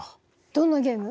どんなゲーム？